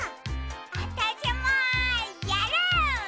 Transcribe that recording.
わたしもやる！